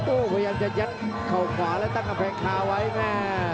โอ้โหพยายามจะยัดเข่าขวาและตั้งกำแพงคาไว้แม่